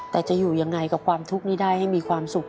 แต่จะอยู่ยังไงกับความทุกข์นี้ได้ให้มีความสุข